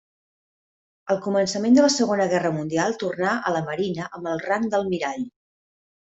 Al començament de la Segona Guerra Mundial tornà a la Marina amb el rang d'almirall.